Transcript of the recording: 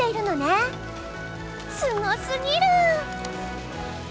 すごすぎる！